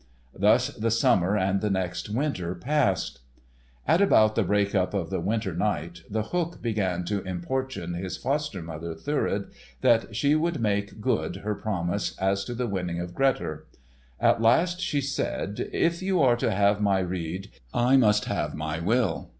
Thus the summer and the next winter passed. At about the break up of the winter night, The Hook began to importune his foster mother, Thurid, that she should make good her promise as to the winning of Grettir. At last she said: "If you are to have my rede, I must have my will.